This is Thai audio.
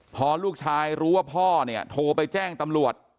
พอลูกชายรู้ว่าพ่อเนี่ยโทรไปแจ้งตำรวจ